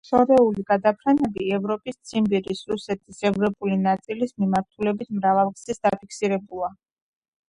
შორეული გადაფრენები ევროპის, ციმბირის, რუსეთის ევროპული ნაწილის მიმართულებით მრავალგზის დაფიქსირებულა.